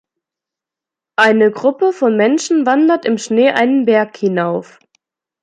Eine Gruppe von Menschen wandert im Schnee einen Berg hinauf.